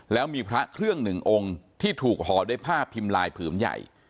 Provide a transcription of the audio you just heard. แล้วมีพระเครื่องหนึ่งองค์ที่ถูกห่อด้วยผ้าพิมพ์ลายผืนใหญ่